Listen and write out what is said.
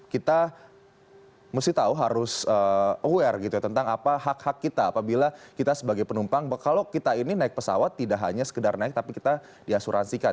kita mesti tahu harus aware gitu ya tentang apa hak hak kita apabila kita sebagai penumpang kalau kita ini naik pesawat tidak hanya sekedar naik tapi kita diasuransikan